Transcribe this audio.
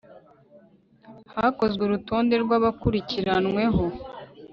hakozwe urutonde rw'abakurikiranweho